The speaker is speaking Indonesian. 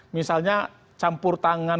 misalnya campur tangan